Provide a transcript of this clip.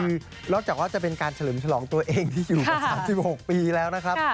คือนอกจากว่าจะเป็นการเฉลิมฉลองตัวเองที่อยู่มา๓๖ปีแล้วนะครับ